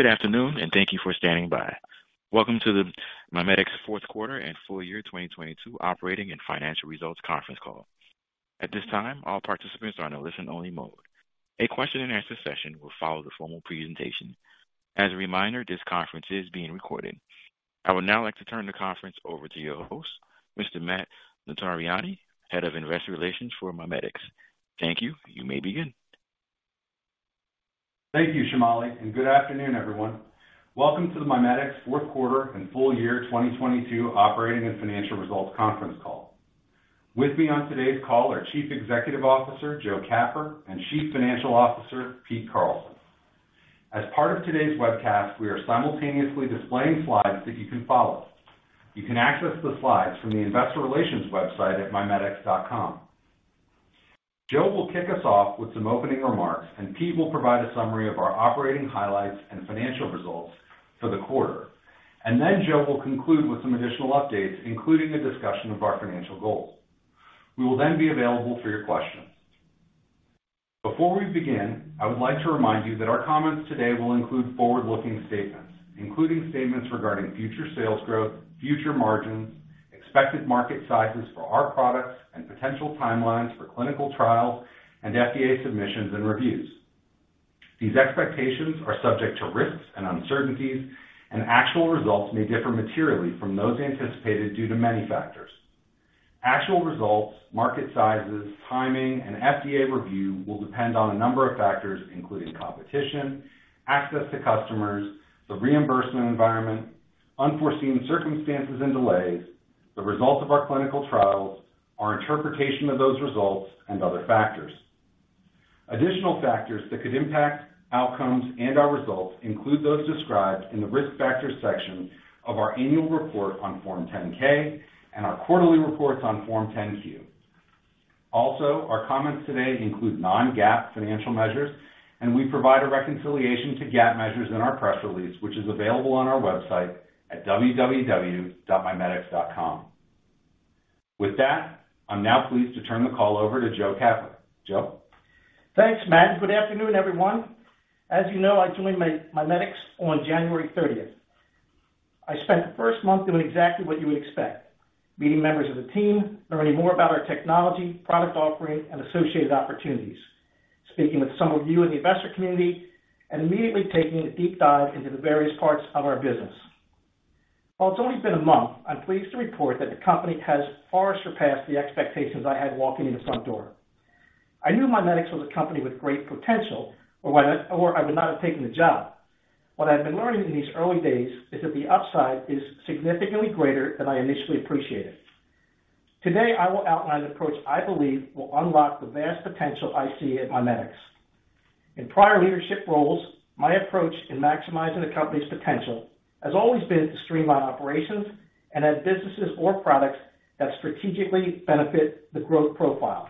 Good afternoon. Thank you for standing by. Welcome to the MiMedx fourth quarter and full year 2022 operating and financial results conference call. At this time, all participants are in a listen-only mode. A question-and-answer session will follow the formal presentation. As a reminder, this conference is being recorded. I would now like to turn the conference over to your host, Mr. Matt Notarianni, Head of Investor Relations for MiMedx. Thank you. You may begin. Thank you, Shomali. Good afternoon, everyone. Welcome to the MiMedx fourth quarter and full year 2022 operating and financial results conference call. With me on today's call are Chief Executive Officer, Joe Capper, and Chief Financial Officer, Pete Carlson. As part of today's webcast, we are simultaneously displaying slides that you can follow. You can access the slides from the investor relations website at mimedx.com. Joe will kick us off with some opening remarks. Pete will provide a summary of our operating highlights and financial results for the quarter. Joe will conclude with some additional updates, including a discussion of our financial goals. We will then be available for your questions. Before we begin, I would like to remind you that our comments today will include forward-looking statements, including statements regarding future sales growth, future margins, expected market sizes for our products, and potential timelines for clinical trials and FDA submissions and reviews. These expectations are subject to risks and uncertainties, and actual results may differ materially from those anticipated due to many factors. Actual results, market sizes, timing, and FDA review will depend on a number of factors, including competition, access to customers, the reimbursement environment, unforeseen circumstances and delays, the results of our clinical trials, our interpretation of those results, and other factors. Additional factors that could impact outcomes and our results include those described in the Risk Factors section of our annual report on Form 10-K and our quarterly reports on Form 10-Q. Also, our comments today include non-GAAP financial measures, and we provide a reconciliation to GAAP measures in our press release, which is available on our website at www.mimedx.com. With that, I'm now pleased to turn the call over to Joe Capper. Joe. Thanks, Matt. Good afternoon, everyone. As you know, I joined MiMedx on January 30th. I spent the first month doing exactly what you would expect, meeting members of the team, learning more about our technology, product offering, and associated opportunities, speaking with some of you in the investor community, and immediately taking a deep dive into the various parts of our business. While it's only been a month, I'm pleased to report that the company has far surpassed the expectations I had walking in the front door. I knew MiMedx was a company with great potential or I would not have taken the job. What I've been learning in these early days is that the upside is significantly greater than I initially appreciated. Today, I will outline the approach I believe will unlock the vast potential I see at MiMedx. In prior leadership roles, my approach in maximizing a company's potential has always been to streamline operations and add businesses or products that strategically benefit the growth profile.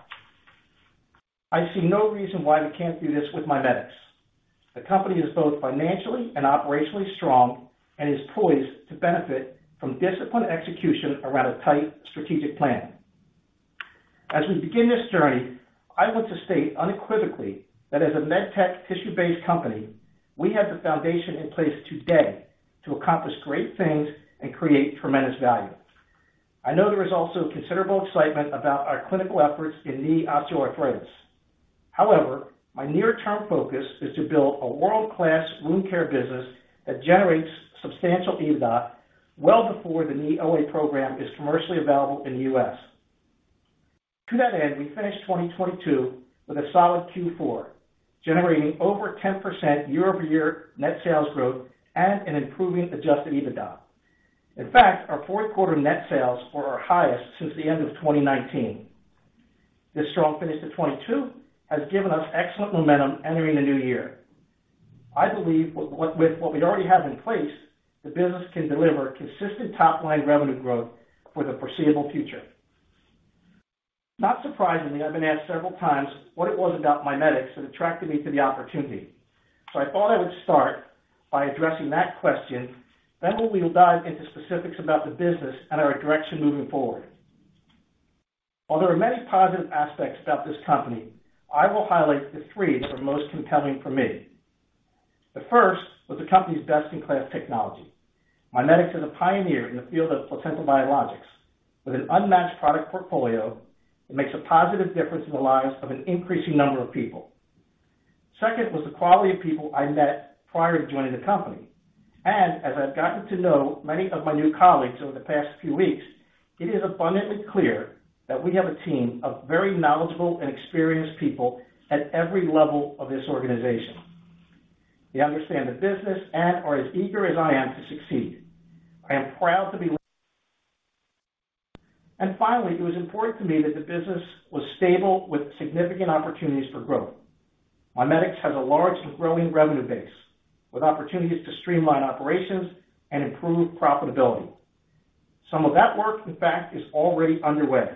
I see no reason why we can't do this with MiMedx. The company is both financially and operationally strong and is poised to benefit from disciplined execution around a tight strategic plan. As we begin this journey, I want to state unequivocally that as a MedTech tissue-based company, we have the foundation in place today to accomplish great things and create tremendous value. I know there is also considerable excitement about our clinical efforts in knee osteoarthritis. However, my near-term focus is to build a world-class wound care business that generates substantial EBITDA well before the Knee OA program is commercially available in the U.S. To that end, we finished 2022 with a solid Q4, generating over 10% year-over-year net sales growth and an improving adjusted EBITDA. In fact, our fourth quarter net sales were our highest since the end of 2019. This strong finish to 2022 has given us excellent momentum entering the new year. I believe with what we already have in place, the business can deliver consistent top-line revenue growth for the foreseeable future. Not surprisingly, I've been asked several times what it was about MiMedx that attracted me to the opportunity. I thought I would start by addressing that question. We will dive into specifics about the business and our direction moving forward. While there are many positive aspects about this company, I will highlight the three that are most compelling for me. The first was the company's best-in-class technology. MiMedx is a pioneer in the field of potential biologics with an unmatched product portfolio that makes a positive difference in the lives of an increasing number of people. Second was the quality of people I met prior to joining the company. As I've gotten to know many of my new colleagues over the past few weeks, it is abundantly clear that we have a team of very knowledgeable and experienced people at every level of this organization. They understand the business and are as eager as I am to succeed. I am proud to be. Finally, it was important to me that the business was stable with significant opportunities for growth. MiMedx has a large and growing revenue base with opportunities to streamline operations and improve profitability. Some of that work, in fact, is already underway.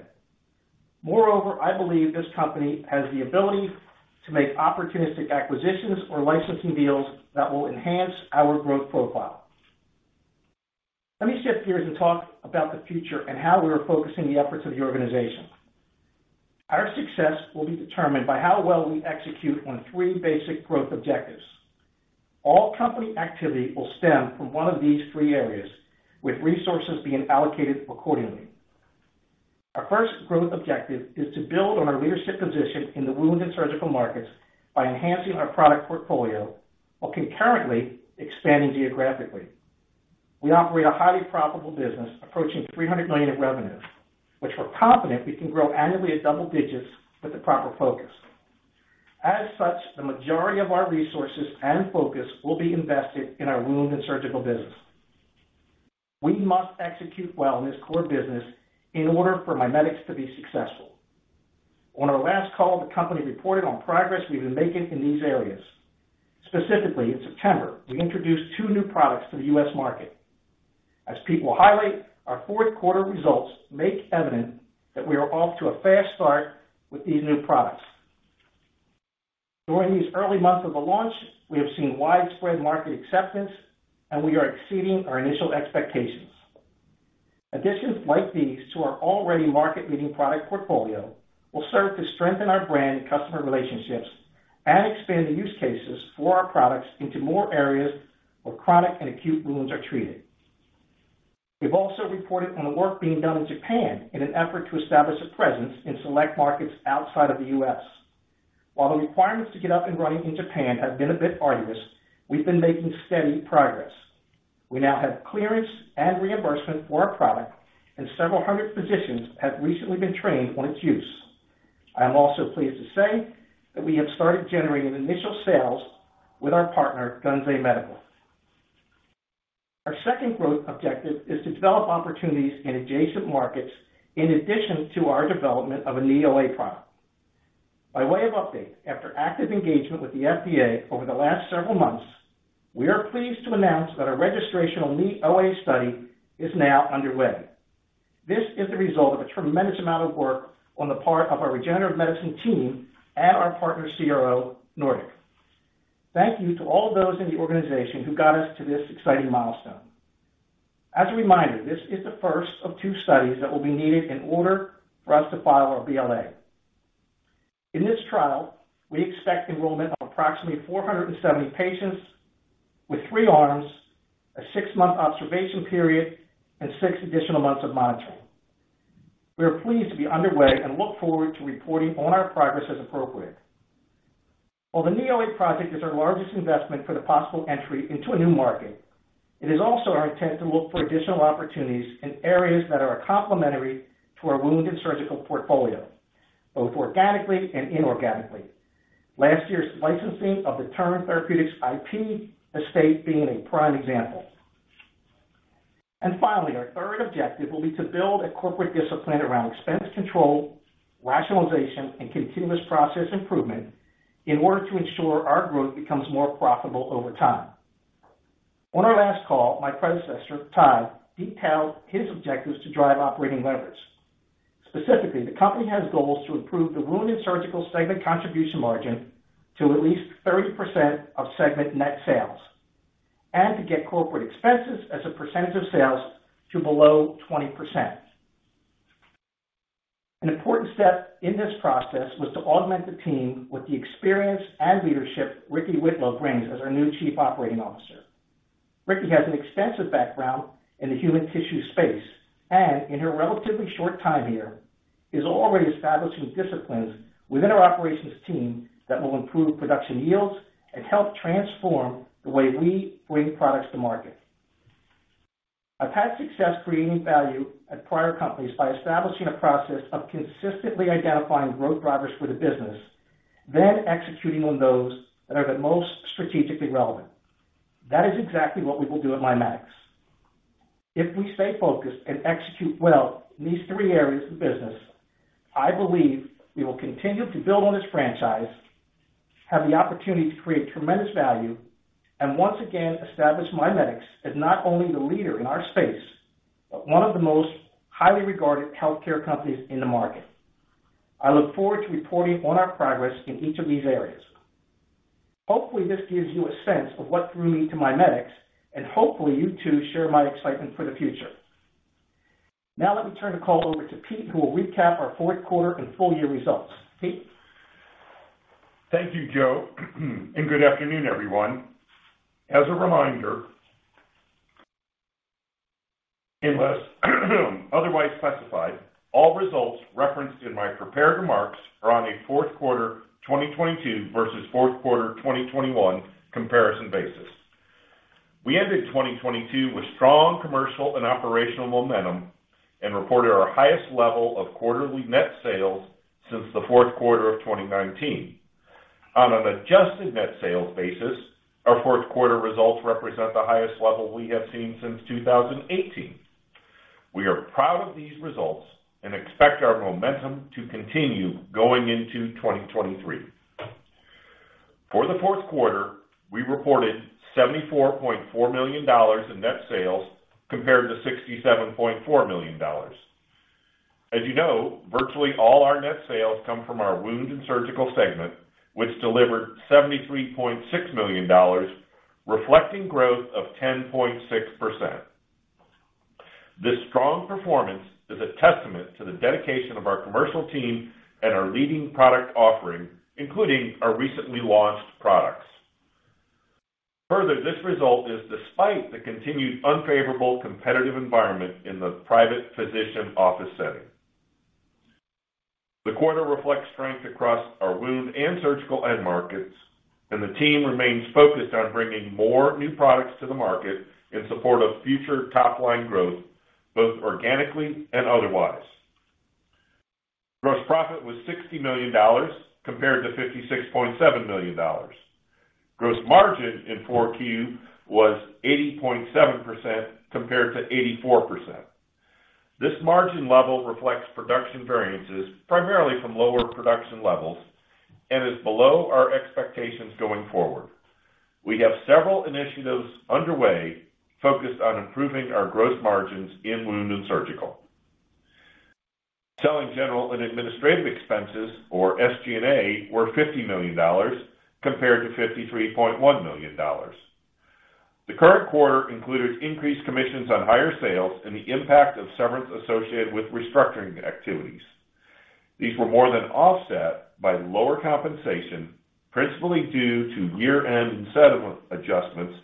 I believe this company has the ability to make opportunistic acquisitions or licensing deals that will enhance our growth profile. Let me shift gears and talk about the future and how we are focusing the efforts of the organization. Our success will be determined by how well we execute on three basic growth objectives. All company activity will stem from one of these three areas, with resources being allocated accordingly. Our first growth objective is to build on our leadership position in the Wound and Surgical markets by enhancing our product portfolio while concurrently expanding geographically. We operate a highly profitable business approaching $300 million in revenues, which we're confident we can grow annually at double digits with the proper focus. The majority of our resources and focus will be invested in our Wound and Surgical business. We must execute well in this core business in order for MiMedx to be successful. On our last call, the company reported on progress we've been making in these areas. Specifically, in September, we introduced two new products to the U.S. market. As Pete will highlight, our fourth quarter results make evident that we are off to a fast start with these new products. During these early months of the launch, we have seen widespread market acceptance, and we are exceeding our initial expectations. Additions like these to our already market-leading product portfolio will serve to strengthen our brand and customer relationships and expand the use cases for our products into more areas where chronic and acute wounds are treated. We've also reported on the work being done in Japan in an effort to establish a presence in select markets outside of the U.S. While the requirements to get up and running in Japan have been a bit arduous, we've been making steady progress. We now have clearance and reimbursement for our product, and several hundred physicians have recently been trained on its use. I am also pleased to say that we have started generating initial sales with our partner, Gunze Medical. Our second growth objective is to develop opportunities in adjacent markets in addition to our development of a Knee OA product. By way of update, after active engagement with the FDA over the last several months, we are pleased to announce that our registrational Knee OA study is now underway. This is the result of a tremendous amount of work on the part of our Regenerative Medicine team and our partner CRO, Nordic. Thank you to all those in the organization who got us to this exciting milestone. As a reminder, this is the first of two studies that will be needed in order for us to file our BLA. In this trial, we expect enrollment of approximately 470 patients with three arms, a six-month observation period, and six additional months of monitoring. We are pleased to be underway and look forward to reporting on our progress as appropriate. While the Knee OA project is our largest investment for the possible entry into a new market, it is also our intent to look for additional opportunities in areas that are complementary to our Wound and Surgical portfolio, both organically and inorganically. Last year's licensing of the Turn Therapeutics IP estate being a prime example. Finally, our third objective will be to build a corporate discipline around expense control, rationalization, and continuous process improvement in order to ensure our growth becomes more profitable over time. On our last call, my predecessor, Todd, detailed his objectives to drive operating leverage. Specifically, the company has goals to improve the Wound and Surgical segment contribution margin to at least 30% of segment net sales, to get corporate expenses as a percentage of sales to below 20%. An important step in this process was to augment the team with the experience and leadership Ricci Whitlow brings as our new Chief Operating Officer. Ricci has an extensive background in the human tissue space, in her relatively short time here, is already establishing disciplines within our operations team that will improve production yields and help transform the way we bring products to market. I've had success creating value at prior companies by establishing a process of consistently identifying growth drivers for the business, executing on those that are the most strategically relevant. That is exactly what we will do at MiMedx. If we stay focused and execute well in these three areas of the business, I believe we will continue to build on this franchise, have the opportunity to create tremendous value, and once again, establish MiMedx as not only the leader in our space, but one of the most highly regarded healthcare companies in the market. I look forward to reporting on our progress in each of these areas. Hopefully, this gives you a sense of what drew me to MiMedx, and hopefully, you too share my excitement for the future. Now let me turn the call over to Pete, who will recap our fourth quarter and full-year results. Pete? Thank you, Joe. Good afternoon, everyone. As a reminder, unless otherwise specified, all results referenced in my prepared remarks are on a fourth quarter 2022 versus fourth quarter 2021 comparison basis. We ended 2022 with strong commercial and operational momentum and reported our highest level of quarterly net sales since the fourth quarter of 2019. On an adjusted net sales basis, our fourth quarter results represent the highest level we have seen since 2018. We are proud of these results and expect our momentum to continue going into 2023. For the fourth quarter, we reported $74.4 million in net sales compared to $67.4 million. As you know, virtually all our net sales come from our Wound and Surgical segment, which delivered $73.6 million, reflecting growth of 10.6%. This strong performance is a testament to the dedication of our commercial team and our leading product offering, including our recently launched products. This result is despite the continued unfavorable competitive environment in the private physician office setting. The quarter reflects strength across our Wound and Surgical end markets. The team remains focused on bringing more new products to the market in support of future top-line growth, both organically and otherwise. Gross profit was $60 million compared to $56.7 million. Gross margin in 4Q was 80.7% compared to 84%. This margin level reflects production variances primarily from lower production levels and is below our expectations going forward. We have several initiatives underway focused on improving our gross margins in Wound and Surgical. Selling, general, and administrative expenses, or SG&A, were $50 million compared to $53.1 million. The current quarter included increased commissions on higher sales and the impact of severance associated with restructuring activities. These were more than offset by lower compensation, principally due to year-end incentive adjustments,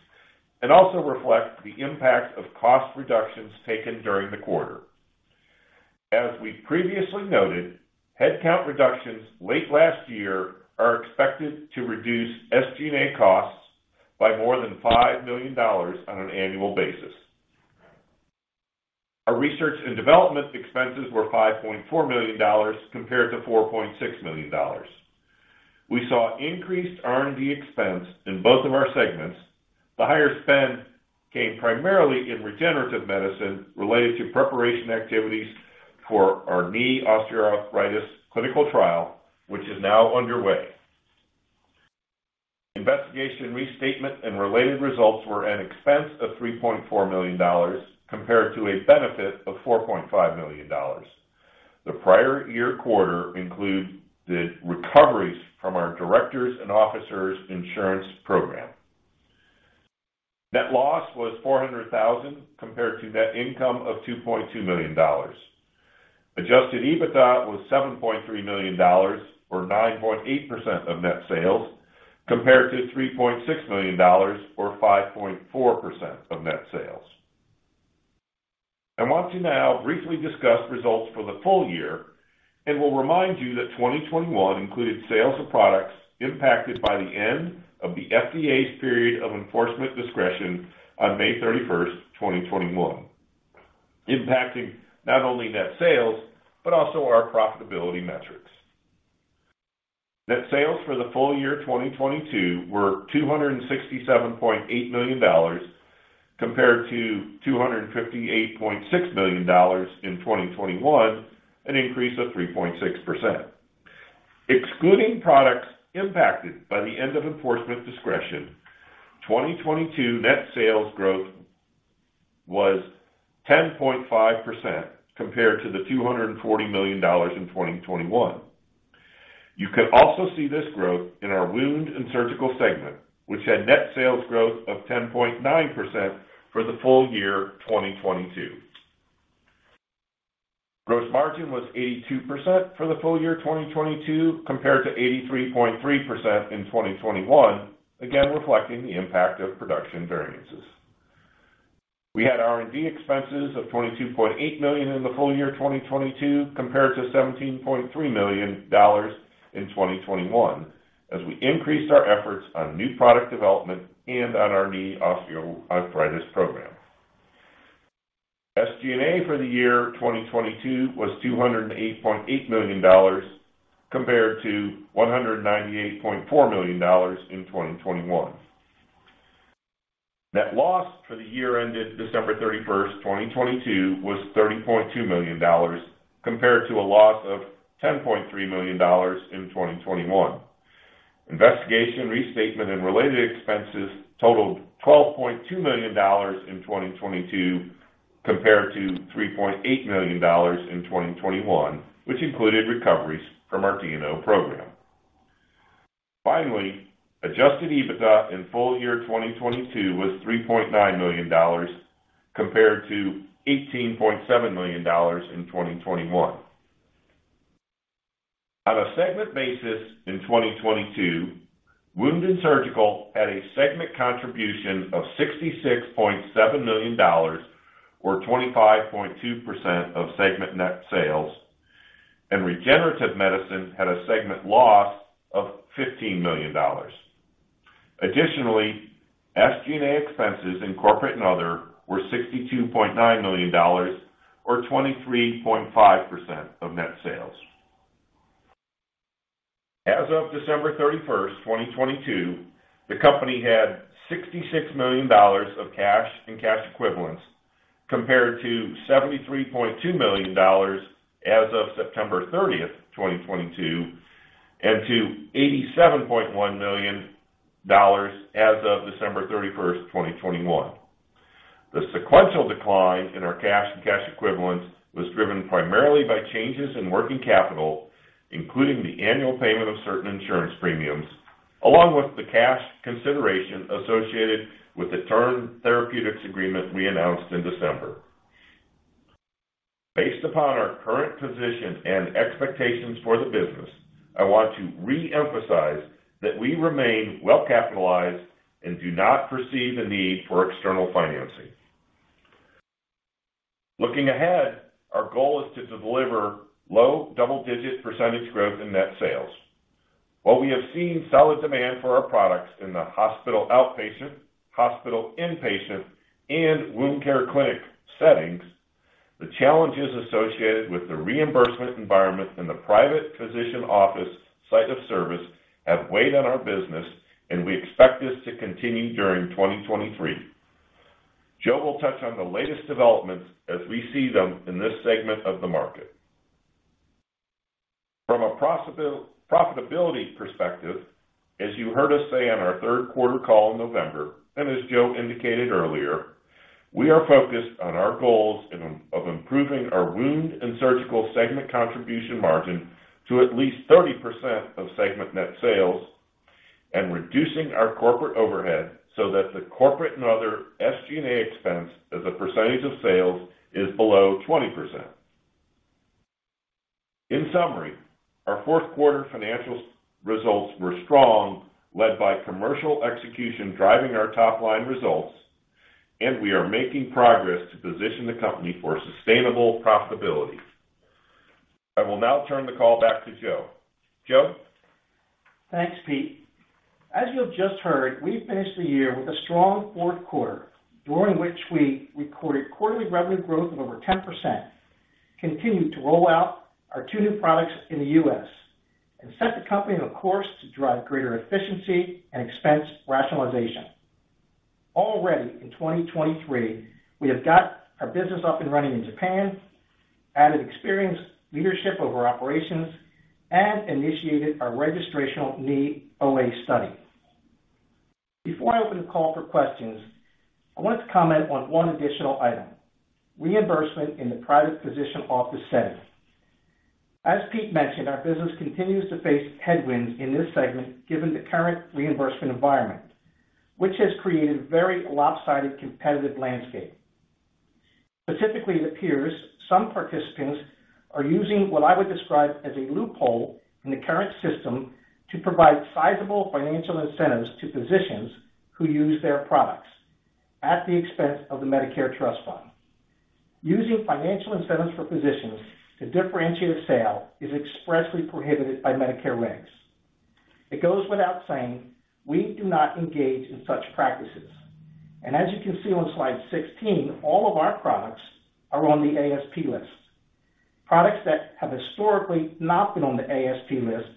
and also reflect the impact of cost reductions taken during the quarter. As we previously noted, headcount reductions late last year are expected to reduce SG&A costs by more than $5 million on an annual basis. Our R&D expenses were $5.4 million compared to $4.6 million. We saw increased R&D expense in both of our segments. The higher spend came primarily in Regenerative Medicine related to preparation activities for our Knee Osteoarthritis clinical trial, which is now underway. Investigation restatement and related results were an expense of $3.4 million compared to a benefit of $4.5 million. The prior year quarter included recoveries from our directors and officers insurance program. Net loss was $400,000 compared to net income of $2.2 million. Adjusted EBITDA was $7.3 million or 9.8% of net sales, compared to $3.6 million or 5.4% of net sales. I want to now briefly discuss results for the full year, will remind you that 2021 included sales of products impacted by the end of the FDA's period of enforcement discretion on May 31st, 2021, impacting not only net sales, but also our profitability metrics. Net sales for the full year 2022 were $267.8 million compared to $258.6 million in 2021, an increase of 3.6%. Excluding products impacted by the end of enforcement discretion, 2022 net sales growth was 10.5% compared to the $240 million in 2021. You can also see this growth in our Wound and Surgical segment, which had net sales growth of 10.9% for the full year 2022. Gross margin was 82% for the full year 2022 compared to 83.3% in 2021, again reflecting the impact of production variances. We had R&D expenses of $22.8 million in the full year 2022 compared to $17.3 million in 2021 as we increased our efforts on new product development and on our knee osteoarthritis program. SG&A for the year 2022 was $208.8 million compared to $198.4 million in 2021. Net loss for the year ended December 31st, 2022 was $30.2 million compared to a loss of $10.3 million in 2021. Investigation restatement and related expenses totaled $12.2 million in 2022 compared to $3.8 million in 2021, which included recoveries from our D&O program. Finally, adjusted EBITDA in full year 2022 was $3.9 million compared to $18.7 million in 2021. On a segment basis in 2022, Wound and Surgical had a segment contribution of $66.7 million or 25.2% of segment net sales, and Regenerative Medicine had a segment loss of $15 million. Additionally, SG&A expenses in Corporate and Other were $62.9 million or 23.5% of net sales. As of December 31st, 2022, the company had $66 million of cash and cash equivalents compared to $73.2 million as of September 30th, 2022, and to $87.1 million as of December 31st, 2021. The sequential decline in our cash and cash equivalents was driven primarily by changes in working capital, including the annual payment of certain insurance premiums, along with the cash consideration associated with the Turn Therapeutics agreement we announced in December. Based upon our current position and expectations for the business, I want to reemphasize that we remain well capitalized and do not foresee the need for external financing. Looking ahead, our goal is to deliver low double-digit percentage growth in net sales. While we have seen solid demand for our products in the hospital outpatient, hospital inpatient, and wound care clinic settings, the challenges associated with the reimbursement environment in the private physician office site of service have weighed on our business, and we expect this to continue during 2023. Joe will touch on the latest developments as we see them in this segment of the market. From a profitability perspective, as you heard us say on our third quarter call in November, and as Joe indicated earlier, we are focused on our goals of improving our Wound and Surgical segment contribution margin to at least 30% of segment net sales and reducing our corporate overhead so that the Corporate and Other SG&A expense as a percentage of sales is below 20%. In summary, our fourth quarter financial results were strong, led by commercial execution driving our top-line results, and we are making progress to position the company for sustainable profitability. I will now turn the call back to Joe. Joe? Thanks, Pete. As you have just heard, we finished the year with a strong fourth quarter, during which we recorded quarterly revenue growth of over 10%, continued to roll out our two new products in the U.S., and set the company on a course to drive greater efficiency and expense rationalization. Already in 2023, we have got our business up and running in Japan, added experienced leadership over operations, and initiated our registrational Knee OA study. Before I open the call for questions, I want to comment on one additional item, reimbursement in the private physician office setting. As Pete mentioned, our business continues to face headwinds in this segment given the current reimbursement environment, which has created a very lopsided competitive landscape. Specifically, it appears some participants are using what I would describe as a loophole in the current system to provide sizable financial incentives to physicians who use their products at the expense of the Medicare Trust Fund. Using financial incentives for physicians to differentiate a sale is expressly prohibited by Medicare regs. It goes without saying, we do not engage in such practices. As you can see on slide 16, all of our products are on the ASP list. Products that have historically not been on the ASP list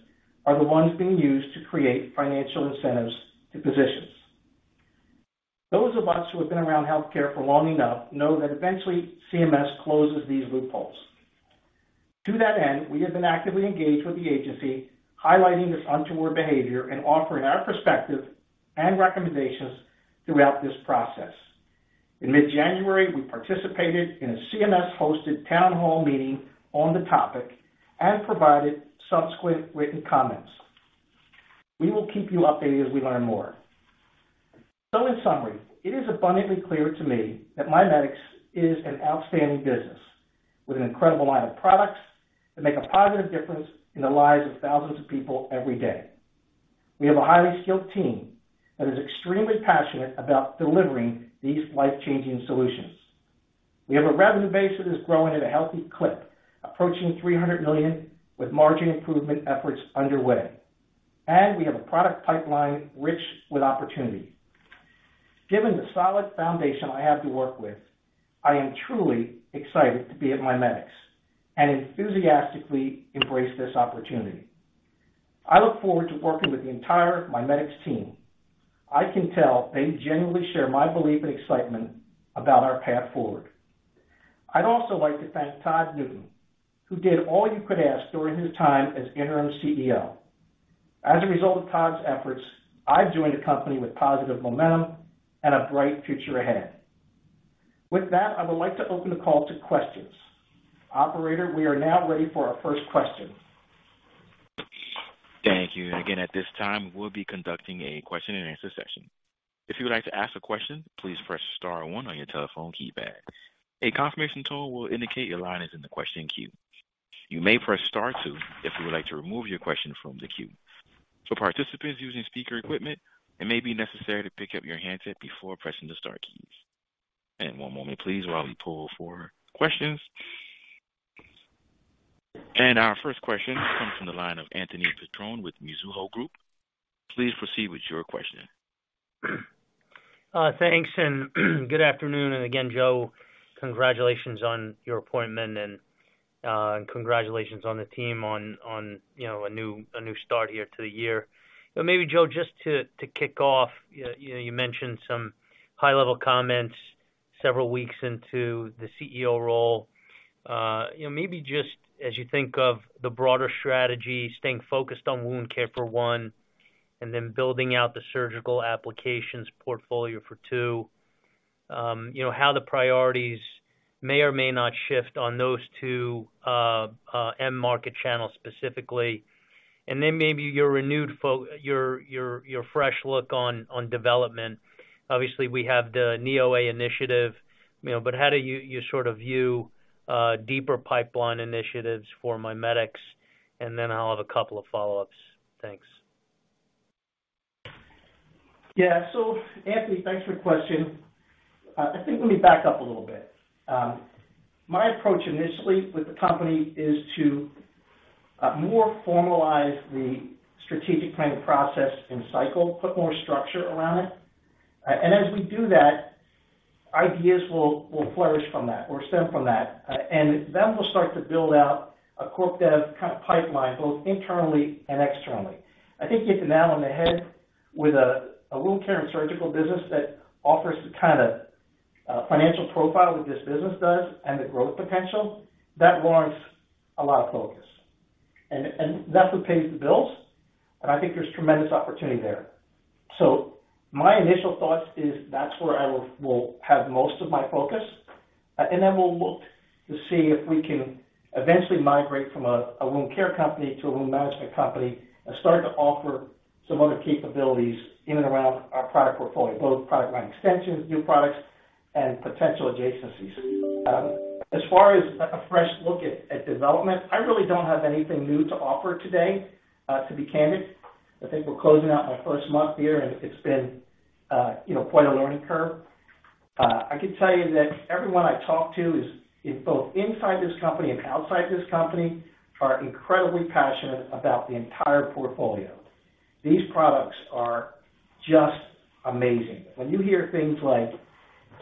are the ones being used to create financial incentives to physicians. Those of us who have been around healthcare for long enough know that eventually CMS closes these loopholes. To that end, we have been actively engaged with the agency, highlighting this untoward behavior and offering our perspective and recommendations throughout this process. In mid-January, we participated in a CMS-hosted town hall meeting on the topic and provided subsequent written comments. We will keep you updated as we learn more. In summary, it is abundantly clear to me that MiMedx is an outstanding business with an incredible line of products that make a positive difference in the lives of thousands of people every day. We have a highly skilled team that is extremely passionate about delivering these life-changing solutions. We have a revenue base that is growing at a healthy clip, approaching $300 million, with margin improvement efforts underway. We have a product pipeline rich with opportunity. Given the solid foundation I have to work with, I am truly excited to be at MiMedx and enthusiastically embrace this opportunity. I look forward to working with the entire MiMedx team. I can tell they genuinely share my belief and excitement about our path forward. I'd also like to thank Todd Newton, who did all you could ask during his time as Interim CEO. As a result of Todd's efforts, I've joined a company with positive momentum and a bright future ahead. With that, I would like to open the call to questions. Operator, we are now ready for our first question. Thank you. Again, at this time, we'll be conducting a question-and-answer session. If you would like to ask a question, please press star one on your telephone keypad. A confirmation tone will indicate your line is in the question queue. You may press star two if you would like to remove your question from the queue. For participants using speaker equipment, it may be necessary to pick up your handset before pressing the star keys. One moment please while we pull for questions. Our first question comes from the line of Anthony Petrone with Mizuho Group. Please proceed with your question. Thanks and good afternoon. Again, Joe, congratulations on your appointment and congratulations on the team on, you know, a new start here to the year. Maybe, Joe, just to kick off, you know, you mentioned some high-level comments several weeks into the CEO role. You know, maybe just as you think of the broader strategy, staying focused on wound care for one. Then building out the surgical applications portfolio for two, you know, how the priorities may or may not shift on those two end market channels specifically. Then maybe your renewed your fresh look on development. Obviously, we have the Knee OA initiative, you know, how do you sort of view deeper pipeline initiatives for MiMedx? Then I'll have a couple of follow-ups. Thanks. Yeah. Anthony, thanks for the question. I think let me back up a little bit. My approach initially with the company is to more formalize the strategic planning process and cycle, put more structure around it. As we do that, ideas will flourish from that or stem from that. Then we'll start to build out a core dev kinda pipeline, both internally and externally. I think hitting the nail on the head with a wound care and surgical business that offers the kind of financial profile that this business does and the growth potential that warrants a lot of focus. That's what pays the bills, and I think there's tremendous opportunity there. My initial thoughts is that's where I will have most of my focus. Then we'll look to see if we can eventually migrate from a wound care company to a wound management company and start to offer some other capabilities in and around our product portfolio, both product line extensions, new products, and potential adjacencies. As far as a fresh look at development, I really don't have anything new to offer today, to be candid. I think we're closing out my first month here, and it's been, you know, quite a learning curve. I can tell you that everyone I talk to is both inside this company and outside this company, are incredibly passionate about the entire portfolio. These products are just amazing. When you hear things like,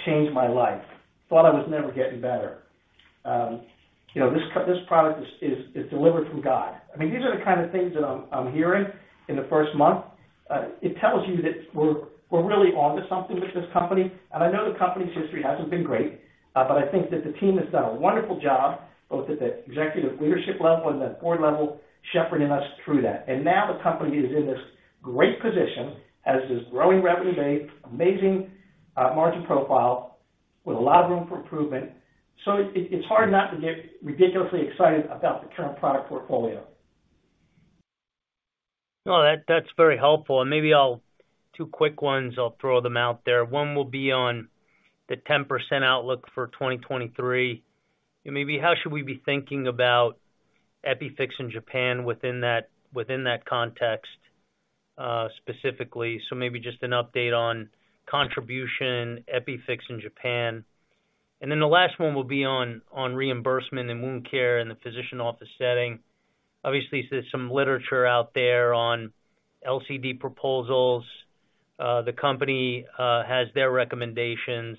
"Changed my life. Thought I was never getting better." you know, "This product is delivered from God." I mean, these are the kinda things that I'm hearing in the first month. It tells you that we're really onto something with this company. I know the company's history hasn't been great, but I think that the team has done a wonderful job, both at the executive leadership level and the Board level, shepherding us through that. Now the company is in this great position, has this growing revenue base, amazing margin profile with a lot of room for improvement. It's hard not to get ridiculously excited about the current product portfolio. No, that's very helpful. Maybe I'll add two quick ones, I'll throw them out there. One will be on the 10% outlook for 2023. Maybe how should we be thinking about EPIFIX in Japan within that context, specifically? Maybe just an update on contribution, EPIFIX in Japan. Then the last one will be on reimbursement in wound care in the physician office setting. Obviously, there's some literature out there on LCD proposals. The company has their recommendations.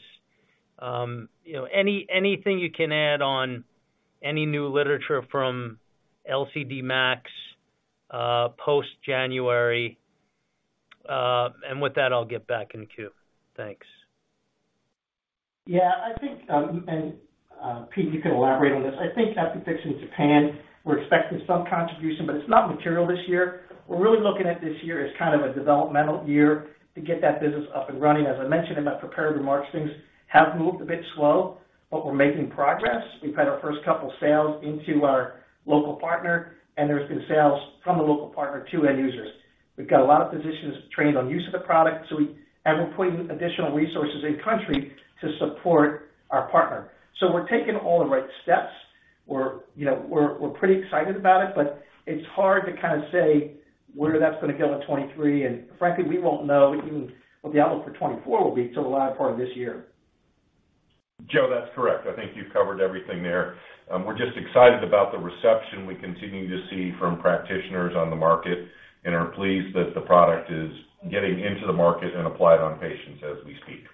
You know, anything you can add on any new literature from LCD MACs, post-January. With that, I'll get back in the queue. Thanks. I think, Pete, you can elaborate on this. I think EPIFIX in Japan, we're expecting some contribution, but it's not material this year. We're really looking at this year as kind of a developmental year to get that business up and running. As I mentioned in my prepared remarks, things have moved a bit slow, but we're making progress. We've had our first couple sales into our local partner, and there's been sales from the local partner to end users. We've got a lot of physicians trained on use of the product, so we're putting additional resources in country to support our partner. We're taking all the right steps. We're, you know, we're pretty excited about it, but it's hard to kind of say where that's going to go in 2023. Frankly, we won't know what the outlook for 2024 will be till the latter part of this year. Joe, that's correct. I think you've covered everything there. We're just excited about the reception we continue to see from practitioners on the market and are pleased that the product is getting into the market and applied on patients as we speak.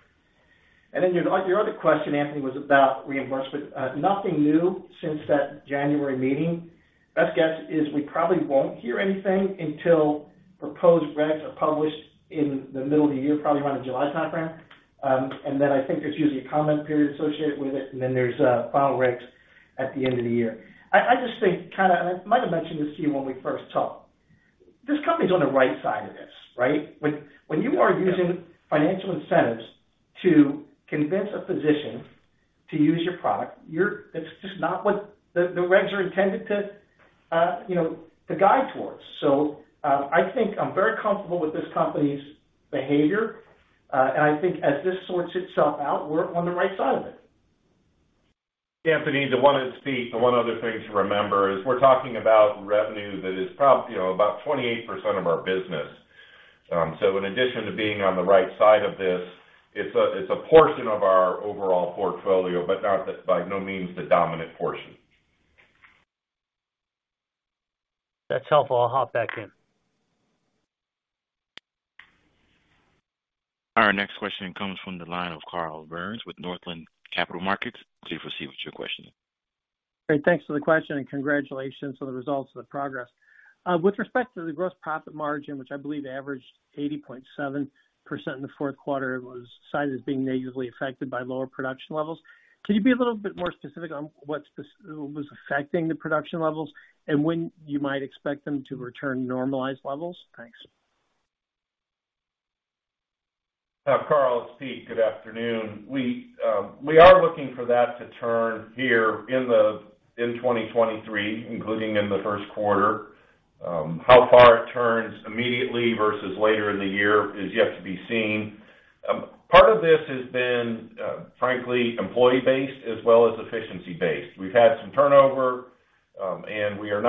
Your other question, Anthony, was about reimbursement. Nothing new since that January meeting. Best guess is we probably won't hear anything until proposed regs are published in the middle of the year, probably around the July timeframe. I think there's usually a comment period associated with it, and then there's final regs at the end of the year. I just think kinda, and I might have mentioned this to you when we first talked, this company's on the right side of this, right? When you are using financial incentives to convince a physician to use your product, it's just not what the regs are intended to, you know, to guide towards. I think I'm very comfortable with this company's behavior. I think as this sorts itself out, we're on the right side of it. Anthony, the one other thing to remember is we're talking about revenue that is you know, about 28% of our business. In addition to being on the right side of this, it's a portion of our overall portfolio, but by no means the dominant portion. That's helpful. I'll hop back in. Our next question comes from the line of Carl Byrnes with Northland Capital Markets. Please proceed with your question. Great. Thanks for the question, and congratulations on the results and the progress. With respect to the gross profit margin, which I believe averaged 80.7% in the fourth quarter was cited as being negatively affected by lower production levels. Could you be a little bit more specific on what was affecting the production levels and when you might expect them to return normalized levels? Thanks. Carl, it's Pete, good afternoon. We are looking for that to turn here in 2023, including in the first quarter. How far it turns immediately versus later in the year is yet to be seen. Part of this has been frankly employee-based as well as efficiency-based. We've had some turnover, and we have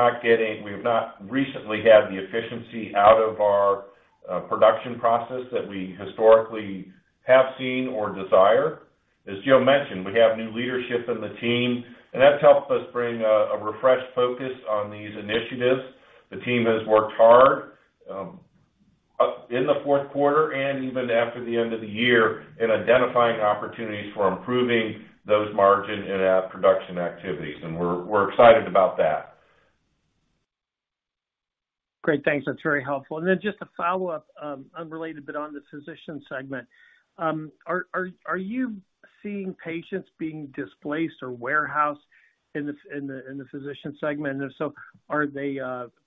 not recently had the efficiency out of our production process that we historically have seen or desire. As Joe mentioned, we have new leadership in the team, and that's helped us bring a refreshed focus on these initiatives. The team has worked hard up in the fourth quarter and even after the end of the year in identifying opportunities for improving those margin in our production activities. We're excited about that. Great. Thanks. That's very helpful. Just a follow-up, unrelated, but on the physician segment. Are you seeing patients being displaced or warehoused in the physician segment? If so, are they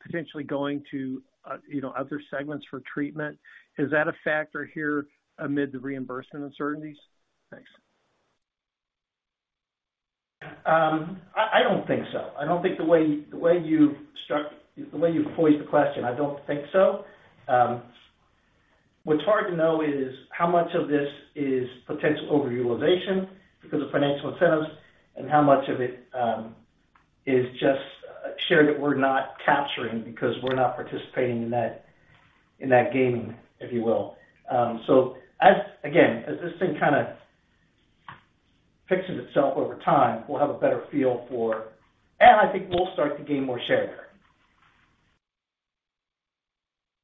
potentially going to, you know, other segments for treatment? Is that a factor here amid the reimbursement uncertainties? Thanks. I don't think so. I don't think the way you've poised the question, I don't think so. What's hard to know is how much of this is potential overutilization because of financial incentives and how much of it is just share that we're not capturing because we're not participating in that gaming, if you will. As, again, as this thing kinda fixes itself over time, we'll have a better feel for and I think we'll start to gain more share there.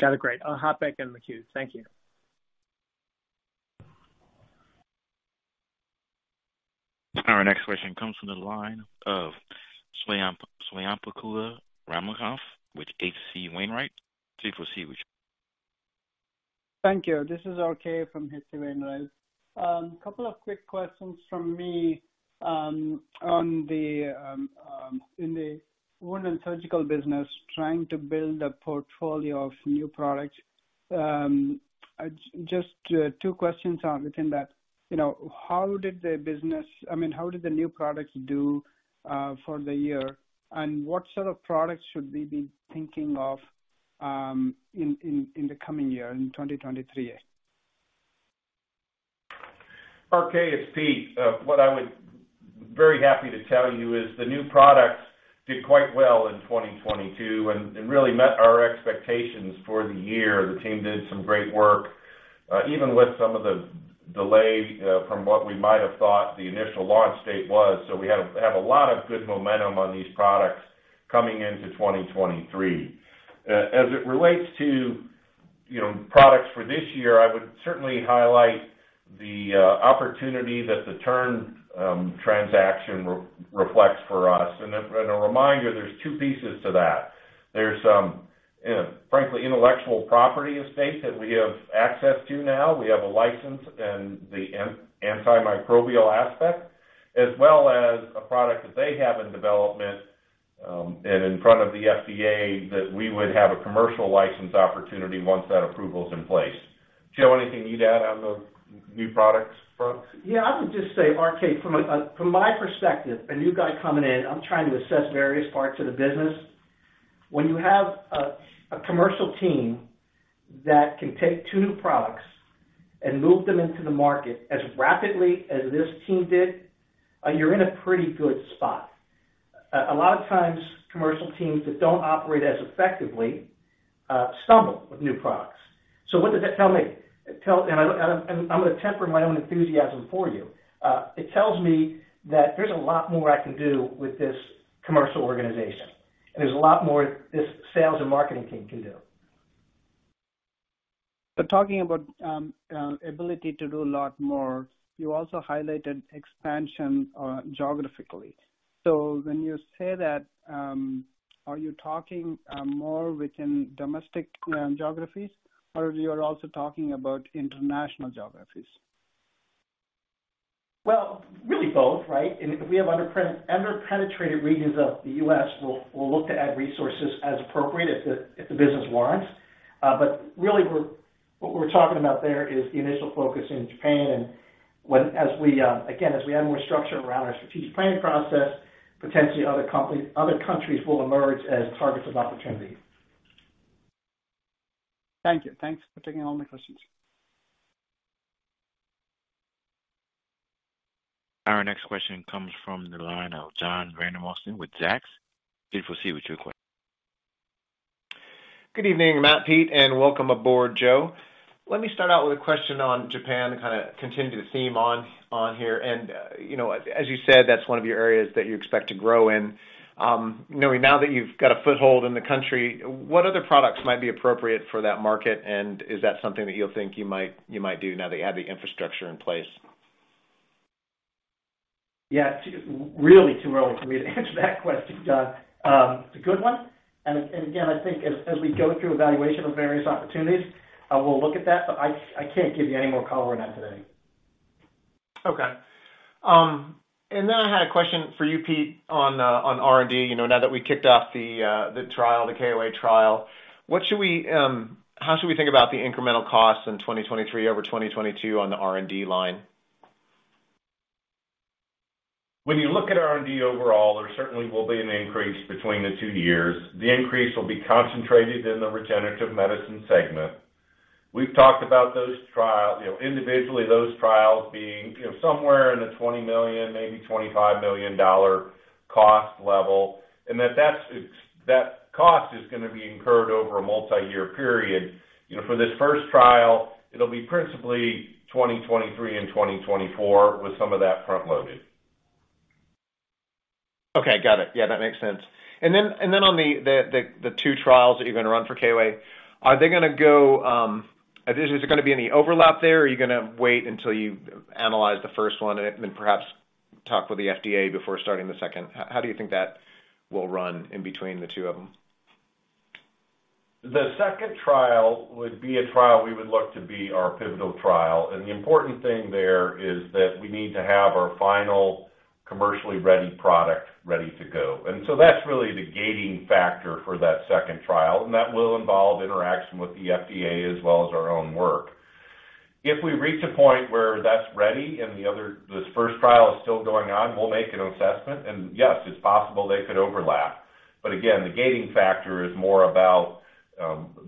Got it. Great. I'll hop back in the queue. Thank you. Our next question comes from the line of Swayampakula Ramakanth with H.C. Wainwright & Co. Please proceed with your. [inaudible] Thank you. This is RK from H.C. Wainwright. Couple of quick questions from me in the Wound and Surgical business, trying to build a portfolio of new products. Just two questions on within that. You know, how did the business, I mean, how did the new products do for the year? What sort of products should we be thinking of in the coming year, in 2023? RK, it's Pete. What I would very happy to tell you is the new products did quite well in 2022 and really met our expectations for the year. The team did some great work, even with some of the delay from what we might have thought the initial launch date was. We have a lot of good momentum on these products coming into 2023. As it relates to, you know, products for this year, I would certainly highlight the opportunity that the Turn transaction re-reflects for us. And a reminder, there's two pieces to that. There's frankly intellectual property estate that we have access to now. We have a license in the antimicrobial aspect, as well as a product that they have in development, and in front of the FDA that we would have a commercial license opportunity once that approval is in place. Joe, anything you'd add on the new products front? Yeah. I would just say, RK, from my perspective, a new guy coming in, I'm trying to assess various parts of the business. When you have a commercial team that can take two new products and move them into the market as rapidly as this team did, you're in a pretty good spot. A lot of times commercial teams that don't operate as effectively, stumble with new products. What does that tell me? I'm gonna temper my own enthusiasm for you. It tells me that there's a lot more I can do with this commercial organization, and there's a lot more this sales and marketing team can do. Talking about ability to do a lot more, you also highlighted expansion geographically. When you say that, are you talking more within domestic geographies, or you're also talking about international geographies? Well, really both, right? We have under-penetrated regions of the U.S. We'll look to add resources as appropriate if the business warrants. Really what we're talking about there is the initial focus in Japan and as we, again, as we add more structure around our strategic planning process, potentially other countries will emerge as targets of opportunity. Thank you. Thanks for taking all my questions. Our next question comes from the line of John Vandermosten with Zacks. Please proceed with your que-. Good evening, Matt, Pete, and welcome aboard, Joe. Let me start out with a question on Japan to kinda continue the theme on here. You know, as you said, that's one of your areas that you expect to grow in. Knowing now that you've got a foothold in the country, what other products might be appropriate for that market? Is that something that you'll think you might do now that you have the infrastructure in place? Yeah. Really too early for me to answer that question, John. It's a good one, and again, I think as we go through evaluation of various opportunities, we'll look at that. I can't give you any more color on that today. I had a question for you, Pete, on R&D. You know, now that we kicked off the trial, the KOA trial, what should we, how should we think about the incremental costs in 2023 over 2022 on the R&D line? When you look at R&D overall, there certainly will be an increase between the two years. The increase will be concentrated in the Regenerative Medicine segment. We've talked about those trials, you know, individually, those trials being, you know, somewhere in the $20 million, maybe $25 million cost level, and that cost is gonna be incurred over a multiyear period. You know, for this first trial, it'll be principally 2023 and 2024, with some of that front-loaded. Okay. Got it. Yeah, that makes sense. On the two trials that you're gonna run for KOA, are they gonna go, is there gonna be any overlap there, or are you gonna wait until you've analyzed the first one and then perhaps talk with the FDA before starting the second? How do you think that will run in between the two of them? The second trial would be a trial we would look to be our pivotal trial, and the important thing there is that we need to have our final commercially ready product ready to go. That's really the gating factor for that second trial, and that will involve interaction with the FDA as well as our own work. If we reach a point where that's ready and the other, this first trial is still going on, we'll make an assessment. Yes, it's possible they could overlap. Again, the gating factor is more about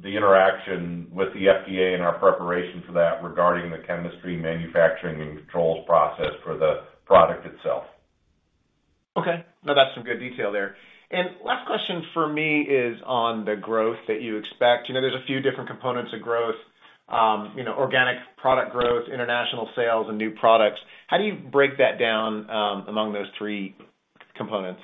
the interaction with the FDA and our preparation for that regarding the chemistry, manufacturing, and controls process for the product itself. Okay. No, that's some good detail there. Last question for me is on the growth that you expect. You know, there's a few different components of growth, you know, organic product growth, international sales, and new products. How do you break that down among those three components?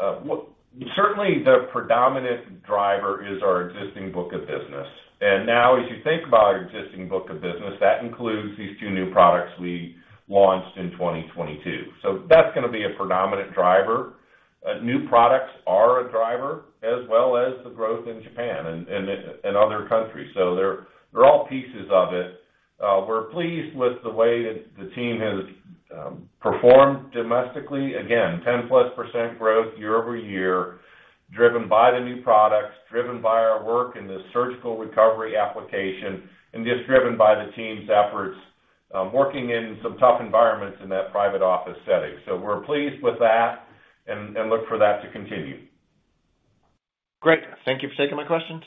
Well, certainly the predominant driver is our existing book of business. Now as you think about our existing book of business, that includes these two new products we launched in 2022. That's gonna be a predominant driver. New products are a driver, as well as the growth in Japan and other countries. They're all pieces of it. We're pleased with the way that the team has performed domestically. Again, 10%+ growth year-over-year, driven by the new products, driven by our work in the surgical recovery application, and just driven by the team's efforts, working in some tough environments in that private office setting. We're pleased with that and look for that to continue. Great. Thank you for taking my questions.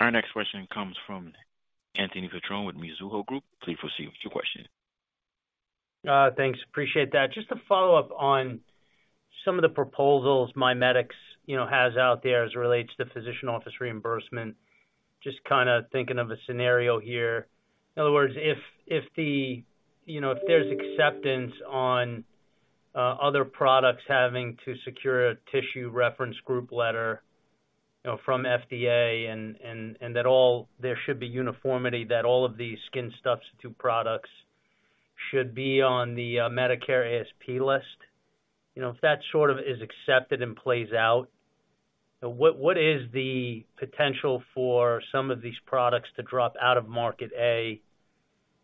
Our next question comes from Anthony Petrone with Mizuho Group. Please proceed with your question. Thanks. Appreciate that. Just a follow-up on some of the proposals MiMedx, you know, has out there as it relates to physician office reimbursement. Just kinda thinking of a scenario here. In other words, if the, you know, if there's acceptance on other products having to secure a Tissue Reference Group letter, you know, from FDA and that all, there should be uniformity that all of these skin substitutes products should be on the Medicare ASP list, you know, if that sort of is accepted and plays out, what is the potential for some of these products to drop out of Market A?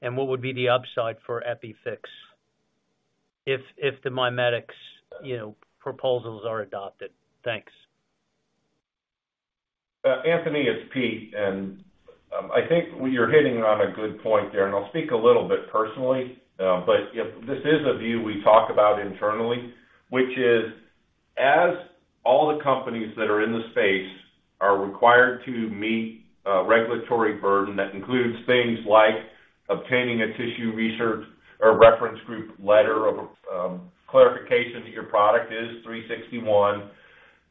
What would be the upside for EPIFIX if the MiMedx, you know, proposals are adopted? Thanks. Anthony, it's Pete, and I think you're hitting on a good point there, and I'll speak a little bit personally. Yep, this is a view we talk about internally, which is as all the companies that are in the space are required to meet a regulatory burden that includes things like obtaining a tissue research or reference group letter of clarification that your product is 361,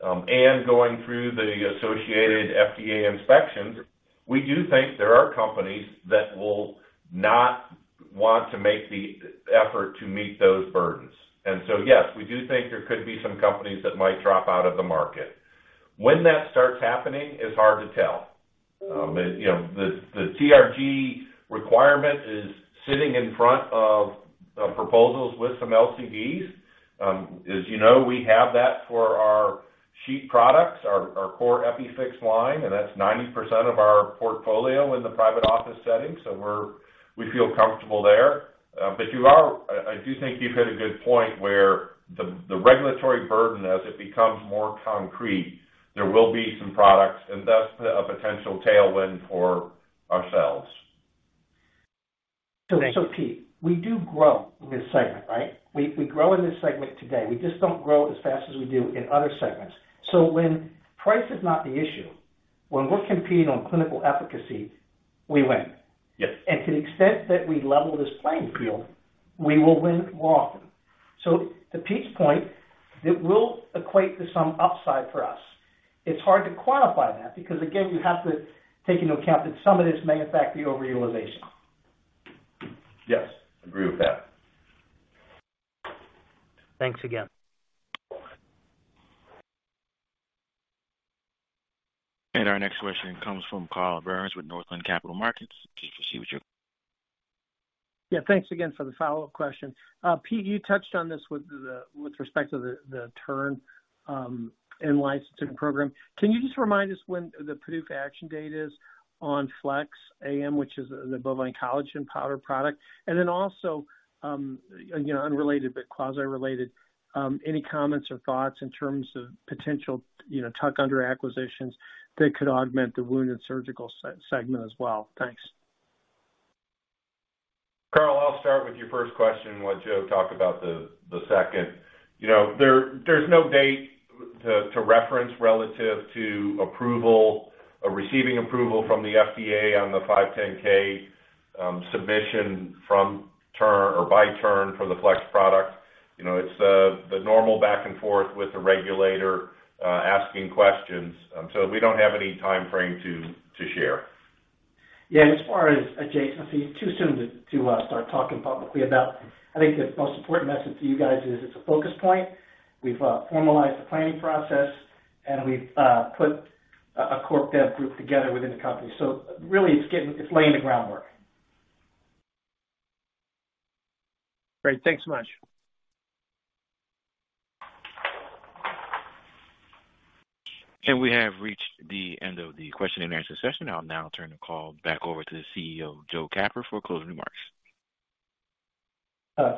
and going through the associated FDA inspections, we do think there are companies that will not want to make the effort to meet those burdens. Yes, we do think there could be some companies that might drop out of the market. When that starts happening is hard to tell. You know, the TRG requirement is sitting in front of proposals with some LCDs. As you know, we have that for our sheet products, our core EPIFIX line, that's 90% of our portfolio in the private office setting. We feel comfortable there. You are, I do think you've hit a good point, where the regulatory burden as it becomes more concrete, there will be some products and thus a potential tailwind for ourselves. Thank you. Pete, we do grow in this segment, right? We grow in this segment today. We just don't grow as fast as we do in other segments. When price is not the issue, when we're competing on clinical efficacy, we win. Yes. To the extent that we level this playing field, we will win more often. To Pete's point, it will equate to some upside for us. It's hard to quantify that because, again, you have to take into account that some of this may affect the overall realization. Yes, agree with that. Thanks again. Our next question comes from Carl Byrnes with Northland Capital Markets. Please, proceed with your question. Yeah, thanks again for the follow-up question. Pete, you touched on this with respect to the Turn in license to the program. Can you just remind us when the PDUFA action date is on FleX AM, which is the bovine collagen powder product? You know, unrelated but quasi-related, any comments or thoughts in terms of potential, you know, tuck under acquisitions that could augment the Wound and Surgical segment as well? Thanks. Carl, I'll start with your first question and let Joe talk about the second. You know, there's no date to reference relative to approval or receiving approval from the FDA on the 510(k) submission from Turn or by Turn for the FleX product. You know, it's the normal back and forth with the regulator asking questions. We don't have any time frame to share. As far as adjacency, too soon to start talking publicly about. I think the most important message to you guys is it's a focus point. We've formalized the planning process, and we've put a core dev group together within the company. Really it's laying the groundwork. Great. Thanks so much. We have reached the end of the question-and-answer session. I'll now turn the call back over to the CEO, Joe Capper, for closing remarks.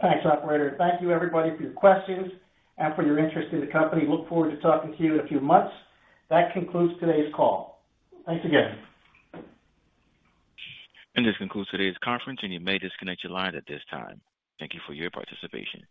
Thanks, Operator. Thank you everybody for your questions and for your interest in the company. Look forward to talking to you in a few months. That concludes today's call. Thanks again. This concludes today's conference, and you may disconnect your line at this time. Thank you for your participation.